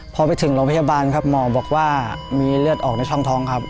พอไปถึงโรงพยาบาลครับหมอบอกว่ามีเลือดออกในช่องท้องครับ